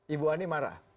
ibu ani marah